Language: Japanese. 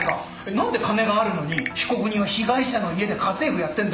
何で金があるのに被告人は被害者の家で家政婦やってんだよ。